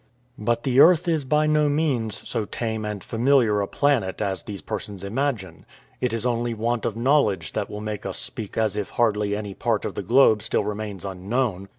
But the earth is by no means so tame a,nd familiar a planet as these persons imagine. It is only want of know ledge that will make us speak as if hardly any part of the globe still remains unknown.